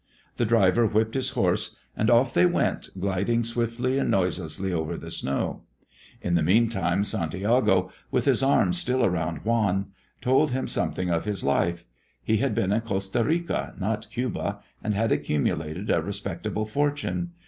The driver whipped his horse, and off they went, gliding swiftly and noiselessly over the snow. In the mean time Santiago, with his arms still around Juan, told him something of his life. He had been in Costa Rica, not Cuba, and had accumulated a respectable fortune.